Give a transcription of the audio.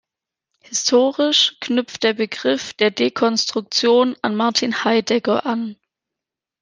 Historisch knüpft der Begriff der Dekonstruktion an Martin Heidegger an.